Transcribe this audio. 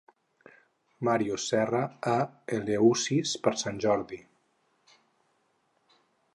Màrius Serra, a Eleusis per sant Jordi.